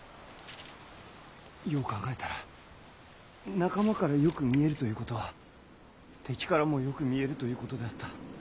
よう考えたら仲間からよく見えるということは敵からもよく見えるということであった。